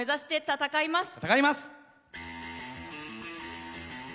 戦います！